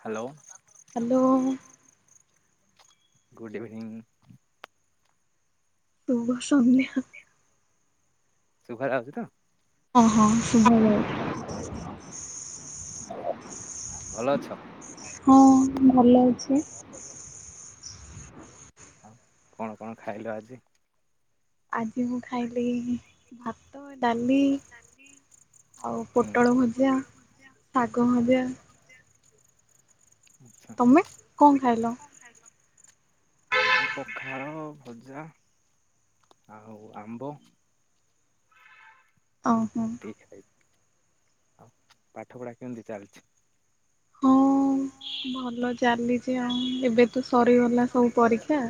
Hello hello. Good evening. ଶୁଭ ସନ୍ଧ୍ୟା। ସୁଭା ଯାଉଛି ତ? ଓ ହୋ ସୁଭାଯାଉଛି। ହଉ ଭଲ ଅଛ। ହଁ ଭଲ ଅଛି। ଆଉ କଣ କଣ ଖାଇଲ ଆଜି? ଆଜି ମୁଁ ଖାଇଲି ଭାତ, ଡାଲି ଆଉ ହୁଁ ପୋଟଳ ଭଜା, ଶାଗ ଭଜା। ଆଛା ତମେ କଣ ଖାଇଲ? ପଖାଳ ଭଜା ଆଉ ଆମ୍ବ। ଓହୋ। ଏତିକି ଖାଇଛି ଆଉ ପାଠ ପଢା କେମିତି ଚାଲିଛି। ହଁ ଭଲ। ଚାଲିଛି ଆଉ ଏବେ ତୁ ସରିଗଲା ସବୁ ପରୀକ୍ଷା।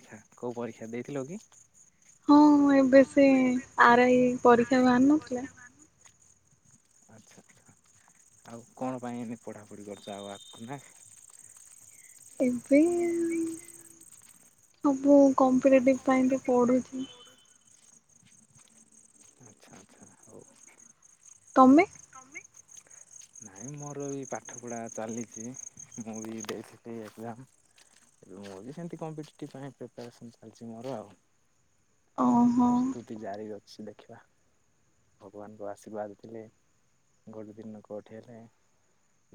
ଆଛା କୋଉ ପରୀକ୍ଷା ଦେଇଥିଲୁ କି? ହଁ ଏବେ ସେ ଆର ଆଇ ପରୀକ୍ଷା ବାହାରି ନଥିଲା। ଆଛା ଆଛା ଆଉ କଣ ପାଇଁ ଏମି ପଢାପଢି କରୁଛ ଆଉ ଆଗକୁ ନା। ଏବେ ସବୁ କ ପଟିଭ ପାଇଁ ତ ପଢୁଛି। ଆଚ୍ଛା ଆଚ୍ଛା ହଉ। [inaudible] ତମେ? ନାଇଁ ମୋର ବି ପାଠ ପଢା ଚାଲିଛି ମୁଁ ବି ଦେଇଥିଲି ଏକ୍ଜାମ ଏବେ ମୁଁ ବି ସେମିତି କମ୍ପିଟେଟିବ ଟି ପାଇଁ ପ୍ରିପାରେସନ୍ ଚାଲିଛି ମୋର ଆଉ। ଓହୋ ପ୍ରସ୍ତୁତି ଜାରି ରଛି ସେ ଦେଖିବା ଭଗବାନଙ୍କ ଆଶୀର୍ବାଦ ଥିଲେ ଗୋଟେ ଦିନ କଟ ଏଠରେ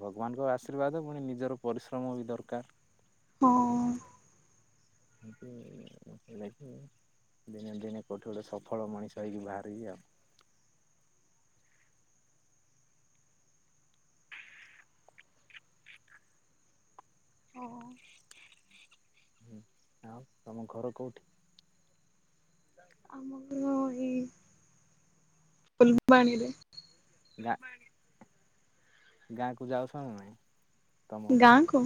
ଭଗବାନଙ୍କ ଆଶୀର୍ବାଦ ପୁଣି ନିଜର ପରିଶ୍ରମ ବି ଦରକାର। ହଁ। ଦିନେ ଦିନେ କୋଉଠି ଗୋଟେ ସଫଳ ମଣିଷ ହେଇକି ବାହାରିବି ଆଉ। ଓ। ହୁଁ ଆଉ ତମ ଘର କୋଉଠି? ଆମ ଘର ଏ ଫୁଲବାଣିରେ। ନା। ଗାଁ କୁ ଯାଉଛ ନା ନାଇ। ତମ ଗାଁ ଗାଁକୁ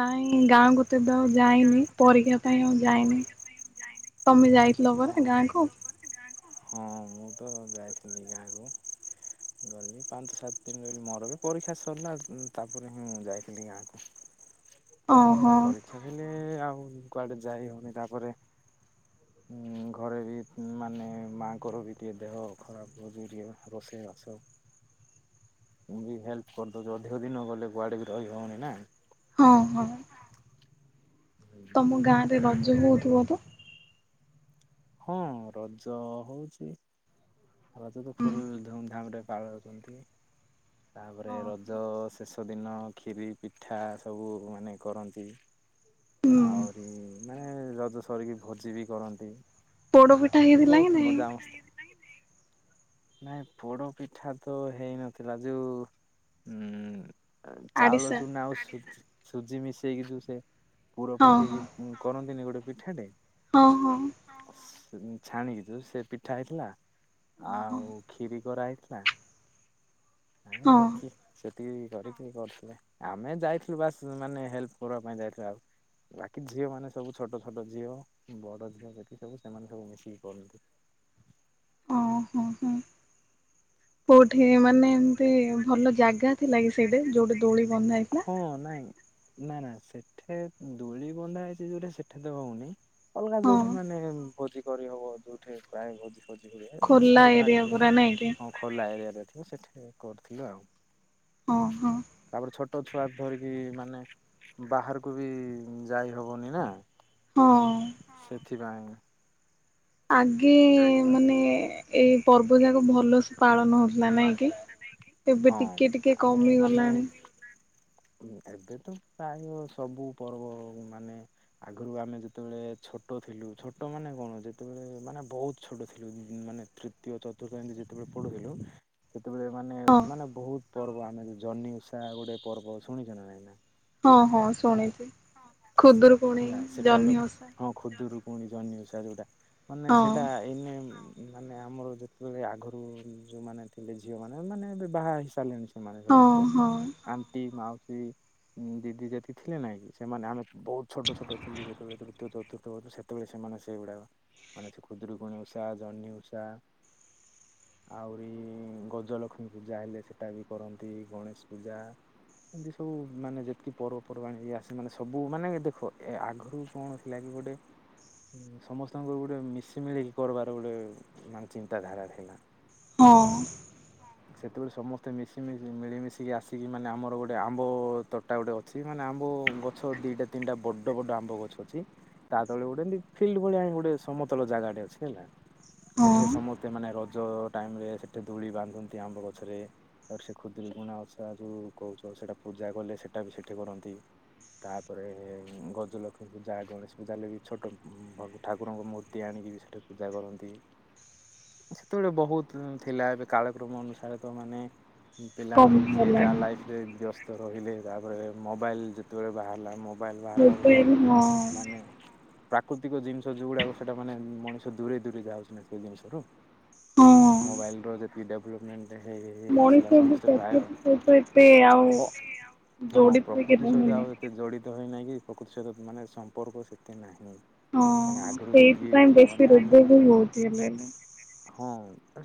ନାଇଁ ଗାଁ ଗୋ ତେ ତ ଆଉ ଯାଇନି ପରୀକ୍ଷା ପାଇଁ ଆଉ ଯାଇନି ତମେ ଯାଇଥିଲ ଓହୋ ପରେ ଗାଁକୁ। ହଁ ମୁଁ ତ ଯାଇଥିଲି ଗାଁକୁ ଗଲି ପାଞ୍ଚ ସାତ ଦିନ ରହିଲି ମୋର ବି ପରୀକ୍ଷା ସରିଲା ତାପରେ ହିଁ ଯାଇଥିଲି ଗାଁକୁ। ଓହୋ ପରୀକ୍ଷା ଥିଲେ ଆଉ କୁଆଡେ ଯାଇ ହଉନି ତାପରେ ଉଁ ଘରେ ବି ମାନେ ମାଆଙ୍କର ବି ଟିକେ ଦେହ ଖରାପ ହଛି ଟିକେ ରୋଷେଇ ବାସ ମୁ ବି ହେଲ୍ପ କରିଦଉ ଅଧିକ ଦିନ ଗଲେ କୁଆଡେ ବି ରହି ହଉନି ନା। ହଁ ହଁ। ତମ ଗାଁରେ ରଜ ହଉଥିବ ତ। ହଁ ରଜ ହଉଚି। ଆ ତ ହୁଁ ଫୁଲ ଧୁମଧାମ ରେ କାଳେ ଅଛନ୍ତି। ତାପରେ ହଁ ରଜ ଶେଷ ସତ ଦିନ ଖିରି ପିଠା ସବୁ ମାନେ କରନ୍ତି ହୁଁ ଆହୁରି ମାନେ ରଜ ସରିକି ଭୋଜି ବି କରନ୍ତି। ପୋଡପିଠା ହେଇଥିଲା କି ବହୁତ ନାଇଁ? ମଜା ମସ୍ତି ନାଇଁ ପୋଡ ପିଠା ତ ହେଇନଥିଲା ଯୋଉ ଉଁ ଚାଉଳ ଆଡିଶା? ଚୁନା ଆଉ ସେ ସୁଜି ମିଶେଇକି [inaudible] ପୁର ହଁ ହଁ ପକେଇକି କର ତିନି ଗୋଟେ ପିଠାଟେ ହଁ ହଁ [inaudible] ସେ ଦିନ ଛାଣିକି ଯଉ ସେ ପିଠା ହେଇଥିଲା ଓହୋ ଆଉ କ୍ଷୀରି କରାଏ ଥିଲା [inaudible] ହଁ ହେତକି ସେ ଟିକେ ଡରିକି କରିଥିଲେ ଆମେ ଯାଇଥିଲୁ ବାସ୍ ମାନେ ହେଲ୍ପ କରିବା ପାଇଁ ଯାଇଥିଲୁ ଆଉ ବାକି ଝିଅ ମାନେ ସବୁ ଛୋଟ ଛୋଟ ଝିଅ ବଡ ଝିଅ ସେଠି ସବୁ ସେମାନେ ସବୁ ମିଶିକି କରନ୍ତି ଓ ହୋ ହୋଁ କୋଉଠି ମାନେ ଏମତି ଭଲ ଜାଗା ଥିଲା କି ସେଇଟା ଯୋଉଠି ଦୋଉଳି ବନ୍ଧା ଯୋଉଠି ହେଇଥିଲା ହଁ ନାଇଁ ନା ନା ସେଠେ ଦୋଳି ବନ୍ଧା ହେଇଛି ଯୋଉଟା ସେଠେତେ ହଉନି ଅଲଗା ହଁ ଯୋଉଠି ମାନେ [inaudible] କରିହେବ ଯୋଉଠି ପ୍ରାୟ ଭୋଜି ଭୋଜି କରି ହୁଏ ଖୋଲା ସାହି ଏରିଆ ପାଖରେ ପୁରା ନାଇଁ କି ହଁ ଖୋଲା ଏରିଆରେ ଏଥିରେ କରିଥିଲୁ ଆଉ ଓ ହୋ ତାପରେ ଛୋଟ ଛୁଆ ଧରିକି ମାନେ ବାହାରକୁ ବି ଯାଇ ହବନି ନା ହଁ। ହଁ ଶିବା [inaudible] ଆଗେ ମାନେ ଏଇ ପର୍ବ ଯାକ ଭଲସେ ପାଳନ ହଉଥିଲା ନାଇଁ କି ଏବେ ହଁ ଟିକେ ଟିକେ ଆମେ କମି ମାନେ ଗଲାଣି ଏବେ ତ ପ୍ରାୟ ସବୁ ପର୍ବ ମାନେ ଆଗରୁ ଆମେ ଯେତେବେଳେ ଛୋଟ ଥିଲୁ ଛୋଟ ମାନେ କଣ ଯେତେବେଳେ ମାନେ ବହୁତ ଛୋଟ ଥିଲୁ ମାନେ ତୃତୀୟ ଚତୁର୍ଥ ଏମିତି ଯେତେବେଳେ ପଢୁଥିଲୁ ସେତେବେଳେ ମାନେ ହଁ ମାନେ ବହୁତ ପର୍ବ ଆମେ [inaudible] ଜହ୍ନି ଉଷା ଗୋଟେ ପର୍ବ ଶୁଣିଛନା ନାଇଁ ନା ହଁ ହଁ ଶୁଣିଛି ଖୁଦରୁକୁଣି ଜହ୍ନିିଓସା କୁଣି ଜହ୍ନି ଉଷା ଯୋଉଟା। ମାନେ ସେଟା ଏଇନେ ମାନେ ଆମର ଯେତେବେଳେ ଆଗରୁ ଯୋଉମାନେ ଥିଲେ ଝିଅ ମାନେ ମାନେ ଏବେ ବାହା ହେଇସାରିଲେଣି। ଓହ, ଦି ଦିଦି ଯେତେ ଥିଲେ ନାଇଁ କି ସେମାନେ ଆମେ ବହୁତ ଛୋଟ ଛୋଟ ଥିଲୁ ଯେତେବେଳେ ତୃତୀୟ ଚତୁର୍ଥ ସେତେବେଳେ ସେମାନେ ସେଗୁଡାକ ମାନେ ଖୁଦୂରୁକୁଣୀ ଉଷା ଜହ୍ନି ଉଷା ଆହୁରି ଗଜଲକ୍ଷ୍ମୀ ପୂଜା ହେଲେ ସେଟା ବି କରନ୍ତି ଗଣେଶ ପୂଜା ଏମିତି ସବୁ ମାନେ ଯେତିକି ପର୍ବପର୍ବାଣି ଏୟା ସେମାନେ ସବୁ ମାନେ ଦେଖ ଏ ଆଗରୁ କଣ ଥିଲାକି ଗୋଟେ ସମସ୍ତଙ୍କର ଗୋଟେ ମିଶି ମିଳିକି କରିବାର ଗୋଟେ ମାନେ ଚିନ୍ତା ଧାରା ଥିଲା। ହଁ ସେତେବେଳେ ସମସ୍ତେ ମିଶିମଶ ମିଳିମିଶିକି ଆସିକି ମାନେ ଆମର ଗୋଟେ ଆମ୍ବ ତୋଟା ଗୋଟେ ଅଛି ମାନେ ଆମ୍ବ ଗ ଗଛ ଦିଟା ତିନିଟା ବଡ ବଡ ଆମ୍ବ ଗଛ ଅଛି ତା ତଳେ ଗୋଟେ ଏମ ଫିଲ୍ଡ ଭଳିଆ ଗୋଟେ ସମତଳ ଜାଗାଟେ ଅଛି ହେଲା। ହଁ ସେଠି ସମସ୍ତେ ମାନେ ରଜ ଜ ଟାଇମ ରେ ସେଠି ଦୋଳି ବାନ୍ଧନ୍ତି ଆମ୍ବ ଗଛରେ ତା ସେ ଖୁଦୁରୁକୁଣି ଓଷା ଯୋଉ କହୁଛ ସେଇଟା ପୂଜା କଲେ ସେଇଟା ବି ସେଠି କରନ୍ତି। ତାପରେ ଗଜଲକ୍ଷ୍ମୀ ପୂଜା ଗଣେଶ ପୂଜା ବି ଛୋଟ ଠାକୁରଙ୍କ ମୂର୍ତ୍ତି ଆଣିକି ବି ସେଠି ପୂଜା କରନ୍ତି ସେତେବେଳେ ବହୁତ ଥିଲା ଏବେ କାଳକ୍ରମ ଅନୁସାରେ ତ ମାନେ ପିଲାମାନେେ ଯିଏ ଯାହା କମିଗଲାଣି ଲାଇଫ ରେ ବ୍ୟସ୍ତ। ରହିଲେ ତାପରେ ମୋବାଇଲ ଯେତେବେଳେ ବାହାରିଲା ମୋ ମୋବାଇଲ ବାହାରବହାରଦ ମୋବାଇଲ ହଁ ମାନେ ପ୍ରାକୃତିକ ଜିନିଷ ଯଉଗୁଡ଼ାକ ସେଇଟା ମାନେ ମଣିଷ ଦୂରେ ଦୂରେ ଯାହାଉଛି ନା ସେ ଜିନିଷରୁ ହଁ। ମୋବାଇଲ ର ଯେତିକି ଡେଭଲପମେଣ୍ଟ ହେଇ ହେଇ ହେଇ ଆସିଲା ମଣିଷ [inaudible] ସମସ୍ତେ ପ୍ରାୟ ହଁ ଯୋଡିଥିଲେ କେବେ ପ୍ରକୃତି ସହିତ ହନି ଆଉ ଏତେ ଜଡ଼ିତ ହୋଇନାହିଁ କି ପ୍ରକୃତି ସହିତ ମାନେ ସମ୍ପର୍କ ସେତେ ନାହିଁ ହଁ ମାନେ ଆଗରୁ ଯେତିକି ସେଇଥିପାଇ ଥିଲା ବେଶୀ ମାନେ ରୋଗ ବି ଆମେ ହଉଛି ଏବେ ହଁ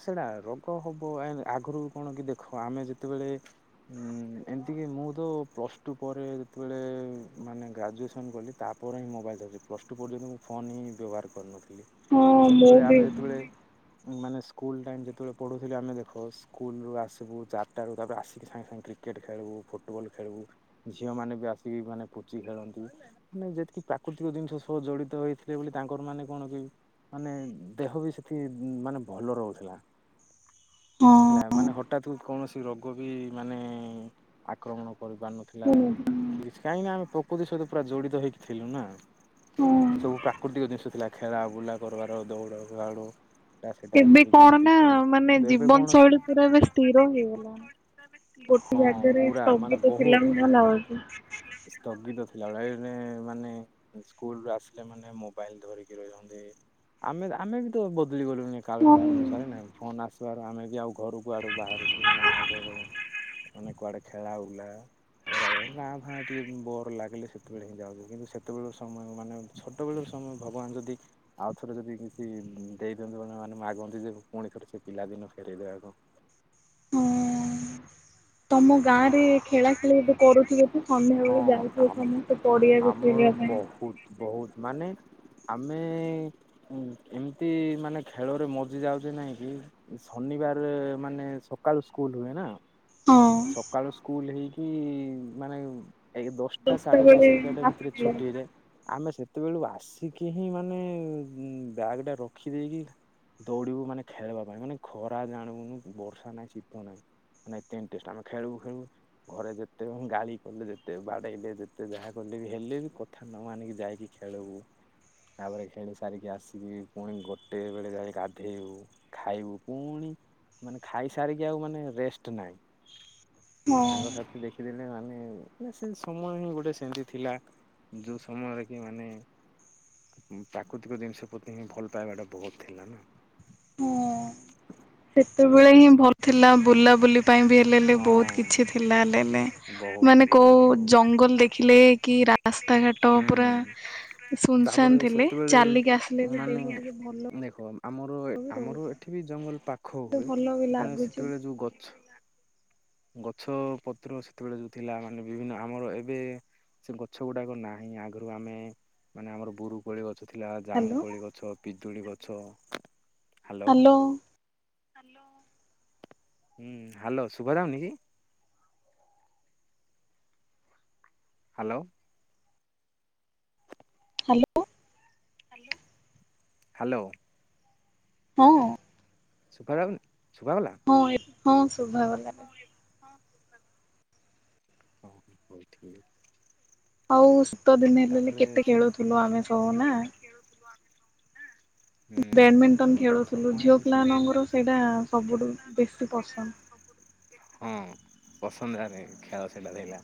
ସେଇଟା ରୋଗ ହବ ଆଗରୁ କଣ କି ଦେଖ ଆମେ ଯେତେବେଳେ ଉ ଏମିତିକ ମୁଁ ତ ପ୍ଲସ ଟୁ ପରେ ସେତେବେଳେ ମାନେ ଗ୍ରାଜୁଏସନ୍ କଲି ତାପରେ ହିଁ ମୋବାଇଲ୍ ଧରଛି ପ୍ଲସ୍ ଟୁ ପର୍ଯ୍ୟନ୍ତ ମୁଁ ଫୋନ୍ ହିଁ ବ୍ୟବହାର କରିନଥିଲି। ହଁ ମୁଁ ସେତେବେଳେ ବି ଆମେ ଯେତେବେଳେ ମାନେ ସ୍କୁଲ ଟାଇମ ଯେତେବେଳେ ପଢୁଥିଲି ଆମେ ଦେଖ ସ୍କୁଲ ରୁ ଆସିବୁ ଚାରିଟାରୁ ତାରେ ଆସିକି ସାଙ୍ଗେ ସାଙ୍ଗେ କ୍ରିକେଟ ଖେଳୁ ଫୁଟବଲ ଖେଳିବୁ ଝିଅ ମାନ ଆସିକି ମାନେ ପୋଚି ଖେଳନ୍ତି ମାନେ ଯେତିକି ପ୍ରାକୃତିକ ଜିନିଷ ସହ ଜଡିତ ହେଇଥିଲେ ବୋଲି ତାଙ୍କର ମାନେ କଣ କି ମାନେ ଦେହ ବି ସେଠି ମାନେ ଭଲ ରହୁଥିଲା। ହଁ। ହେଲେ ଏମାନେ ହ ହଠାତ କୌଣସି ରୋଗ ବି ମାନେ ଆକ୍ରମଣ କରି ପାରିନଥିଲା। ଶୁଣୁ କିଛି କାହିଁକିନା ଆମେ ପ୍ରକୃତି ସହିତ ପୁରା ଜଡିତ ହେଇକି ଥିଲୁ ନା ହଁ ସବୁ ପ୍ରାକୃତିକ ଜିନିଷ ଥିଲା ଖେଳା ବୁଲା କରିବାର ଦୌଡ଼ ଫାଡ ଏବେ କଣ ନା ମାନେ ଏବେ ଜୀବନ କଣ ଶୈଳୀ ପୁରା ଏବେ ସ୍ଥିର ହେଇଗଲାଣି ଗୋଟେ ହଁ ଜାଗାରେ ପୁରା ମାନେ ସ୍ଥଗିତ ଥିଲା ବହୁତ ହେଲା ସ୍ଥଗିତ ଥିଲା। ଲଢାଇରେ ମାନେ ସ୍କୁଲୁ ଆସିଲେ ମାନେ ମୋବାଇଲ ଧରିକି ରହିଛନ୍ତି ଆମେ ଆମେ ବି ତ ହଁ କାଳକ୍ରମ ଅନୁସାରେ ନା ଫୋନ ଆସେ ତୁଆର ଆମେ ବି ଆଉ ଘରୁ କୁଆଡ଼େ ବାହାରୁଛୁ ନା ଆଗ ଭଳିଆ ମାନେ କୁଆଡ଼େ ଖେଳାବୁଲା କରାଉ ଗାଁ ଭାଁ ଟିକେ ବର ଲାଗିଲେ ସେତେବେଳେ ହିଁ ଯାଉଛି କିନ୍ତୁ ସେତେବେଳ ସମୟ ମାନେ ଛୋଟବେେଳ ସମୟ ଭଗବାନ ଯଦି ଆଉ ଥରେ ଯଦି କିଛି ଦେଇଦିଅନ୍ତୁ ମାନ ମାନେ ମାଗନ୍ତି ଯେ ପୁଣି ଥରେ ସେ ପିଲାଦିନ ଫେରଇଦବାକୁ। ହଁ ତମ ଗାଁ ରେ ଖେଳା ଖେଳି ଏବେେ କରୁଥିବେ କି ହଁ ସନ୍ଧ୍ୟାବେେଳେ ଯାଉଥିବେ ଆମ ସମସ୍ତେ ପଡିଆକୁ ଆମର ଖେଳିବା ପାଇଁ ବହୁତ ବହୁତ ମାନେ ଆମେ ଏମିତି ମାନେ ଖେଳରେ ମଜି ଯାଉଛେ ନାଇଁ କି ଶନିବାର ମାନେ ସକାଳୁ ସ୍କୁଲ ହୁଏ ନା ହଁ ସକାଳୁ ସ୍କୁଲ ହେଇକି କି ମାନେ ଏକ ଦଶଟା ସାଢେ ଦଶ ବେଳେ ଏଗାରଟା ଭିତରେ ଆସୁଥିଲା। ଛୁଟି ହେଇଯାଏ ଆମେ ସେ ସେତେବେଳୁ ଆସିକି ହିଁ ମାନେ ଉ ବ୍ୟାଗ ଟା ରଖି ଦେଇେଇକି ଦୌଡିବୁ ମାନେ ଖେଳିବା ପାଇଁ ମାନେ ଖରା ଜାଣିବୁନୁ ବର୍ଷା ନାହିଁ ଶୀତ ନାହିଁ ମାନେ ଏତେ ଆମେ ଖେଳିବୁ ଖେଳିବୁ ଘରେ ଯେତେ ଗାଳି କଲେ ଯେତେ ବାଡ଼େଇଲେ ଯେତେ ଯାହା କଲେ ବି ହେଲେ ବି କଥା ନ ମାନିକି ଯାଇକି ଖେଳିବୁ ତାପରେ ଖେଳି ସାରିକି ଆସିକି ପୁଣି ଗୋଟେ ବେଳେ ଯାଇକି ଗାଧେଇବୁ ଖାଇବୁ ପୁଣି ମାନେ ଖାଇସାରିକି ଆଉ ମାନେ ରେଷ୍ଟ ନହିଁ ହଁ ସାଙ୍ଗସାଥି ଦେଖିଦେଲେ ଏ ମାନେ ସେ ସମୟ ହିଁ ଗୋଟେ ସେମିତି ଥିଲା ଯୋଉ ସମୟରେ କି ମାନେ ପ୍ରାକୃତିକ ଜିନିଷ ପ୍ରତି ହିଁ ଭଲ ପାଇବାଟା ବହୁତ ଥିଲା ନା। ସେତ ସବୁବେଳେ ହିଁ ଭଲ ଥିଲା ବୁଲାବୁଲି ପାଇଁ ବି ହେଲେ ହେଲେ ବହୁତ କିଛି ଥିଲା ହେଲେ ହେଲେ ମାନେ କୋଉ ଜଙ୍ଗଲ ଦେଖିଲେ କି ରାସ୍ତାଘାଟ ପୁରା ତାପରେ ସୁନସାନ୍ ଥିଲେ ସେତେବେଳେ ଚାଲିକି ଆସିଲେ ହେଲେ ମାନେ ଦେହକୁ ଟିକେ ଭଲ ଦେଖ ଆମର ବି ଆମର ରହୁଛି। ଏଠି ବି ଜଙ୍ଗଲ ପାଖ ତ ହୁଏ ଭଲ ବି ମାନେ ଲାଗୁଛି ସେତେବେଳେ ଯୋଉ ଗଛ ଗ ଛ ପତ୍ର ସେତେବେଳେ ଯୋଉ ଥିଲା ମାନେ ବିଭିନ୍ନ ଆମର ଏବେ ସେ ଗଛ ଗୁଡାକ ନାହିଁ ଆଗରୁ ଆମେ ମାନେ ଆମର ବୁରୁକୋଳି ଗ ଗଛ ଥିଲା ହ୍ୟାଲୋ ଜାମୁକୋଳି ଗଛ ପିଜୁଳି ଗଛ। ହାଲୋ। ହାଲୋ। ହୁଁ ହାଲୋ ଶୁଭାଯାଉନି କି? Hello hello. ହାଲୋ। ହଁ ଶୁଭାଯାଉନି? ଶୁଭା ଗଲା? ହଁ ହଁ ଶୁଭାଗଲା ହଁ ହ ହଉ ଠିକ ଅଉ ସୁ ତ ଦିନ ହେଲେ କେତେ ସେ ଖେଳୁଥିଲୁ ଆମେ ସବୁ ନା! ହୁଁ ବ୍ୟାଡମିଣ୍ଟନ ମାନେ ଖେଳୁଥିଲୁ ସମୟ ଝିଅ ହିଁ ସେମିତି। ପଲାମାନଙ୍କର ସେଇଟା ସବୁଠୁ ବେଶୀ ପସନ୍ଦ। ହୁଁ ପସନ୍ଦ ହାରେ ଖେଳ ସେଇଟା ଦେଲା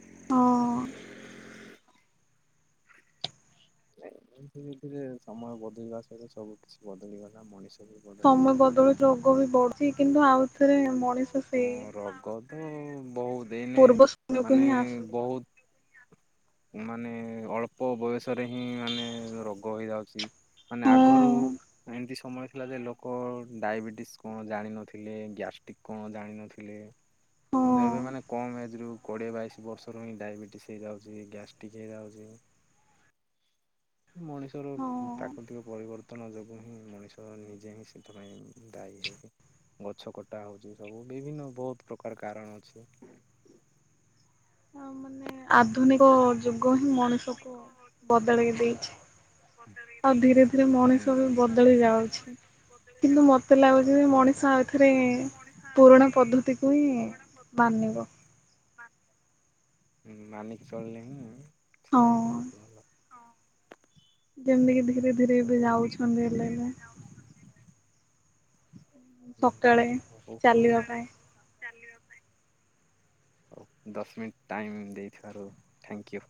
ହଁ। [inaudible] ଧୀରେ ଧୀରେ ସମୟ ବଦଳିବା ସହିତ ସବୁ କିଛି ବଦଳିଗଲା ମଣିଷ। ବି ସମୟ ବଦଳିଗଲା। ବଦଳୁଛି ରୋଗ ବି ବଢୁଛି କିନ୍ତୁ ଆଉଥରେ ମଣିଷ ସେଇ [inaudible] ବହୁତ୍ ଏଇନେ ପୂର୍ବ ସମୟକୁ ମାନେ ହିଁ ଆସୁଛି ବହୁତ୍ ମାନେ ଅଳ୍ପ ବୟସ ସରେ ହିଁ ମାନେ ରୋଗ ହେଇଯାଉଛି ମାନେ ହଁ ଆଗରୁ ଏମତି ସମୟ ଥିଲା ଯେ ଲୋକ ଡାଇବେଟିସ କଣ ଜାଣିିନଥିଲେ ଗ୍ୟାଷ୍ଟ୍ରିକ୍ କଣ ଜାଣିନଥିଲେ ହଁ କିନ୍ତୁ ଏବେ ମାନେ କମ୍ ଏଜ୍ ରୁ କୋଡିଏ ବାଇଶି ବର୍ଷରୁ ହିଁ ଡାଇବେଟିସ୍ ହେଇଯାଉଛି ଗ୍ୟାଷ୍ଟ୍ରିକ୍ ହେଇଯାଉଛି। ମଣିଷର ହଁ ଆଉ ପ୍ରାକୃତିକ ପରିବର୍ତ୍ତନ, ନୂତ୍ତନ ଯୋଗୁ ହିଁ ମଣିଷ ନିଜେ ହିଁ ସେଥିପାଇଁ ଦାୟୀ ହେଇକି ଗଛ କଟା ହଉଛି ସବୁ ବିଭିନ୍ନ ବହୁତ ପ୍ରକାର କାରଣ ଅଛି। ଅ ମାନେ ଆଧୁନିକ। ଯୁଗ ହିଁ ମଣିଷକୁ ଆଧୁନିକ ଯୁଗ ହିଁ ବଦଳେଇ ମଣିଷ ଦେଇଛି ବଦଳେଇ ଆଉ ଧୀରେ ଦେଇଛି। ଧୀରେ ହୁଁ ମଣିଷ ବି ହୁଁ ଆଉ ବଦଳି ଧୀରେ ଧୀରେ ଯାଉଛି ମଣିଷ ବି ବଦଳି କିନ୍ତୁ ଯାଉଛି। ମତେ ଲାଗୁଛି ଯେ ମଣିଷ ହଁ ମତେ ଆଉଥରେ ଲାଗୁଛି ମଣିଷ ପୁରୁଣା ଆଉଥରେ ପଦ୍ଧତିକୁ ହିଁ ପୁରୁଣା ପଦ୍ଧତିକୁ ମାନିବ ହିଁ ମାନିବ। ମାନିକି ଚଳିଲେ ହିଁ। ହଁ ସେଟା ହିଁ ବହୁତ ଭଲ। ଯେମିତିକି ଧୀରେ ଧୀରେ ଏବେ ହଉ। ଯାଉଛନ୍ତି ଏଲେ ଏଲେ। [inaudible] ସକାଳେ ଚାଲିବା ପାଇଁ। ଚାଲିବ ପାଇଁ। ହଉ ଦଶ ମିନିଟ୍ ଟାଇମ ଦେଇଥିବାରୁ ଥ୍ୟାଙ୍କ ୟୁ।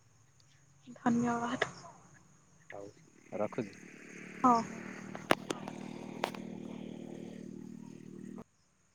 ଧନ୍ୟବାଦ। ହଉ ରଖୁଛି। ହଉ ହଉ।